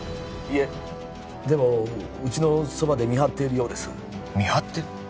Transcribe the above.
☎いえでもうちのそばで見張っているようです見張ってる！？